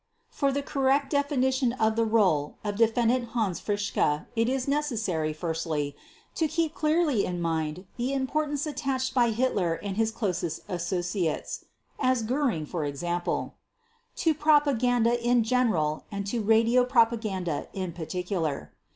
For the correct definition of the role of Defendant Hans Fritzsche it is necessary, firstly, to keep clearly in mind the importance attached by Hitler and his closest associates (as Göring, for example) to propaganda in general and to radio propaganda in particular.